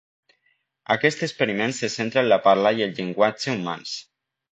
Aquest experiment se centra en la parla i el llenguatge humans.